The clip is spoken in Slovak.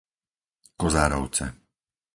Kozárovce